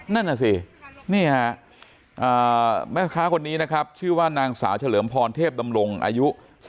นั่นน่ะสินี่ฮะแม่ค้าคนนี้นะครับชื่อว่านางสาวเฉลิมพรเทพดำรงอายุ